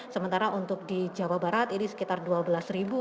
sementara untuk di jawa barat ini sekitar dua belas ribu